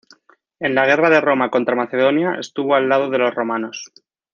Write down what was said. En la guerra de Roma contra Macedonia estuvo al lado de los romanos.